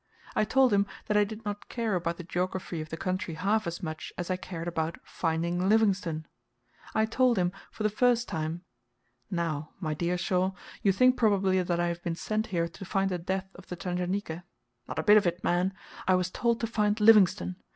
I told him that I did not care about the geography of the country half as much as I cared about FINDING LIVINGSTONE! I told him, for the first time, "Now, my dear Shaw, you think probably that I have been sent here to find the depth of the Tanganika. Not a bit of it, man; I was told to find Livingstone.